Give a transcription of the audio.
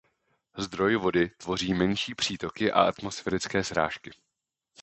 Zdroj vody tvoří menší přítoky a atmosférické srážky.